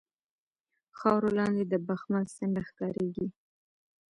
خاورو لاندې د بخمل څنډه ښکاریږي